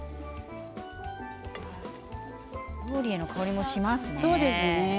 ローリエの香りがしますね。